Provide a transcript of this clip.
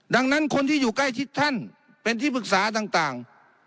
ดังนั้นคนที่อยู่ใกล้ชิดท่านเป็นที่ปรึกษาต่าง